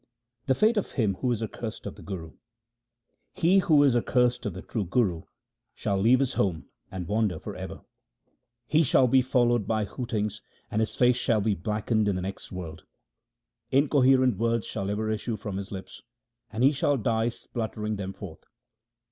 The fate of him who is accursed of the Guru :— He who is accursed of the true Guru shall leave his home and wander for ever : HYMNS OF GURU RAM DAS 325 He shall be followed by hootings and his face shall be blackened in the next world : Incoherent words shall ever issue from his lips, and he shall die spluttering them forth.